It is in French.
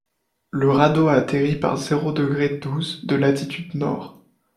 Le radeau a atterri par zéro degré douze’ de latitude nord.